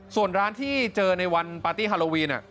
ส่วนร้านที่เจอในวันปาร์ตี้ฮาโลวีน